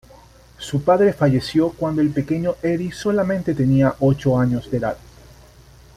Su padre falleció cuando el pequeño Eddie solamente tenía ocho años de edad.